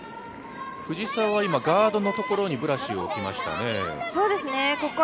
藤澤は今、ガードのところにブラシを置きましたね。